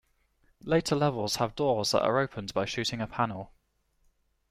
Later levels have doors that are opened by shooting a panel.